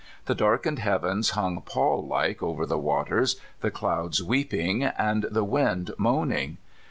The darkened heavens hung pall like over the waters, the clouds weeping, and the wind moan ing.